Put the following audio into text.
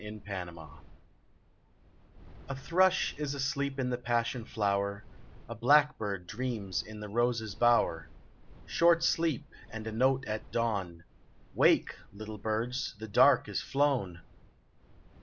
/niontina A THRUSH is asleep in the passion flower, A blackbird dreams in the rose's bower. Short sleep, and a note at dawn :" Wake, little birds, the dark is flown